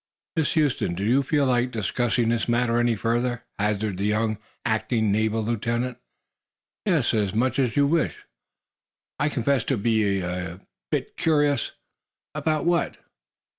"Miss Huston, do you feel like discussing this matter any further?" hazarded the young acting naval lieutenant. "Yes; as much as you wish." "I confess to being a bit curious." "About what?"